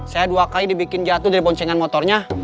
saya dua kali dibikin jatuh dari boncengan motornya